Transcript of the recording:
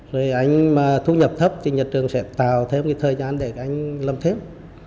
rồi anh mà thu nhập thấp thì nhà trường sẽ tạo thêm cái thời gian để các anh làm thêm